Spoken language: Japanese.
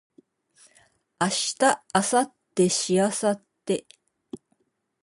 明日明後日しあさって